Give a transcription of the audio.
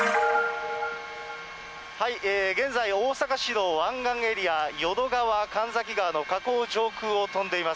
現在、大阪市の湾岸エリア、淀川かんざき川の河口上空を飛んでいます。